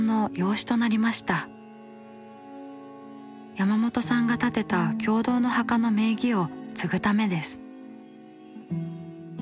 山本さんが建てた共同の墓の名義を継ぐためです。